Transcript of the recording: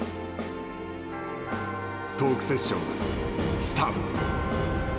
トークセッション、スタート。